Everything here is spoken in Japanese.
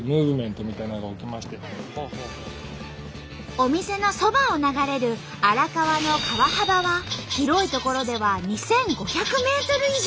お店のそばを流れる荒川の川幅は広い所では２，５００ｍ以上。